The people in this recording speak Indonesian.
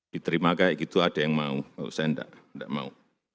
diterima kayak gitu ada yang mau kalau saya enggak enggak mau